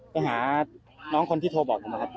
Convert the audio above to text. ไปหาน้องคนที่โทรบอกผมนะครับ